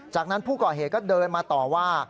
จากนั้นผู้ก่อเหตุก็เดินมาต่อว่า